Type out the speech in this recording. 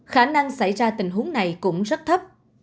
khả năng xảy ra tình huống này cũng rất thấp